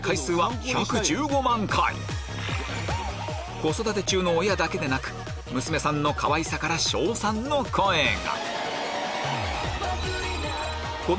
子育て中の親だけでなく娘さんのかわいさから称賛の声が！